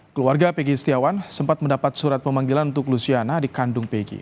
keluarga peggy istiawan sempat mendapat surat pemanggilan untuk luciana dikandung peggy